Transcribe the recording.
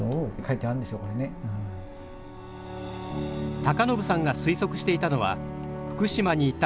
高信さんが推測していたのは福島にいた